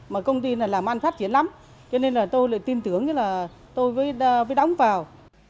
mà công ty làm ăn phát triển lắm cho nên là tôi lại tin tưởng là tôi mới đóng vào